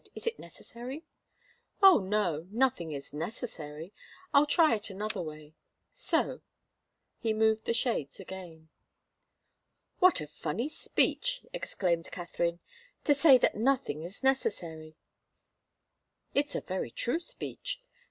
"Is it necessary?" "Oh, no. Nothing is necessary. I'll try it another way. So." He moved the shades again. "What a funny speech!" exclaimed Katharine. "To say that nothing is necessary " "It's a very true speech.